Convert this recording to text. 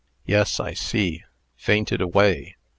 "Yes, I see. Fainted away.